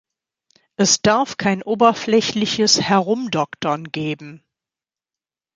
Es darf kein oberflächliches "Herumdoktern" geben.